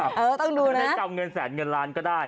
ต้องดูให้จำเงินแสนเงินล้านก็ได้